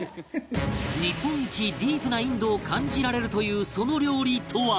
日本一ディープなインドを感じられるというその料理とは？